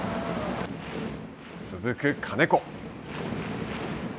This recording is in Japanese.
続く金子。